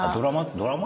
ドラマ？